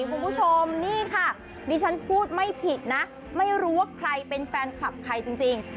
คุณผู้ชมนี่ค่ะดิฉันพูดไม่ผิดนะไม่รู้ว่าใครเป็นแฟนคลับใครจริง